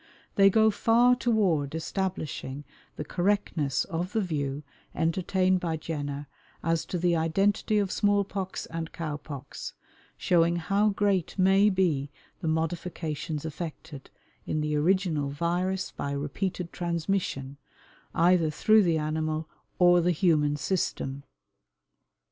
They go far toward establishing the correctness of the view entertained by Jenner as to the identity of small pox and cow pox, showing how great may be the modifications effected in the original virus by repeated transmission, either through the animal or the human system.